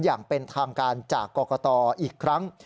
อย่างเป็นทางการจากกรกตอีกครั้ง